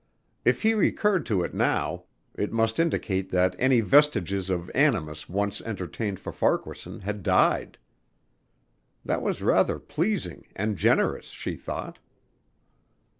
If he recurred to it now it must indicate that any vestiges of animus once entertained for Farquaharson had died. That was rather pleasing and generous, she thought.